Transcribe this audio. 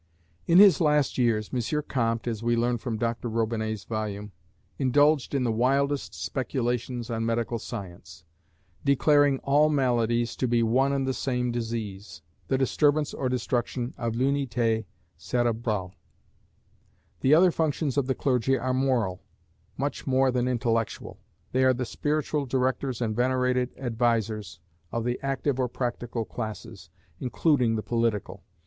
In his last years, M. Comte (as we learn from Dr Robinet's volume) indulged in the wildest speculations on medical science, declaring all maladies to be one and the same disease, the disturbance or destruction of "l'unité cérébrale." The other functions of the clergy are moral, much more than intellectual. They are the spiritual directors, and venerated advisers, of the active or practical classes, including the political.